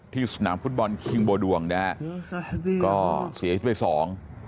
ที่สนามฟุตบอลคิงโบดวงนะฮะก็เสียชีวิตไปสอง